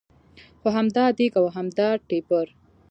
خو همدا دېګ او همدا ټېپر.